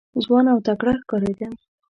ځوان او تکړه ښکارېده.